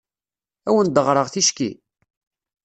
Ad awen-d-ɣreɣ ticki?